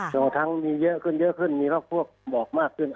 จนกระทั่งมีเยอะขึ้นเยอะขึ้นมีพักพวกหมอกมากขึ้น